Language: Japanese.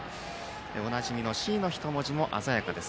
おなじみの「Ｃ」の人文字も鮮やかです。